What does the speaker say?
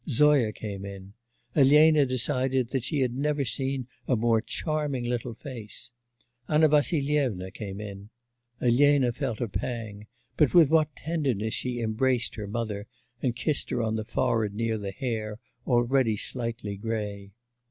Zoya came in; Elena decided that she had never seen a more charming little face; Anna Vassilyevna came in; Elena felt a pang but with what tenderness she embraced her mother and kissed her on the forehead near the hair, already slightly grey!